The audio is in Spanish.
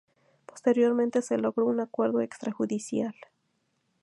Posteriormente se logró un acuerdo extrajudicial.